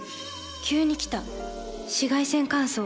急に来た紫外線乾燥。